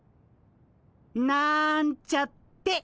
なんちゃって。